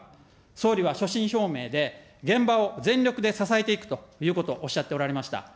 総理は所信表明で現場を全力で支えていくということをおっしゃっておられました。